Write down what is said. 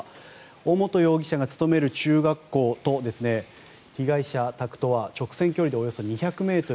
尾本容疑者が勤める中学校と被害者宅とは直線距離でおよそ２００ｍ。